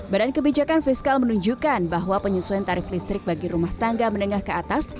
badan kebijakan fiskal menunjukkan bahwa penyesuaian tarif listrik bagi rumah tangga menengah ke atas